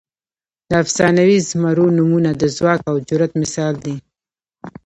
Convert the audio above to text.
د افسانوي زمرو نومونه د ځواک او جرئت مثال دي.